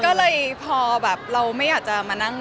ก็เลยพอแบบเราไม่อยากจะมานั่ง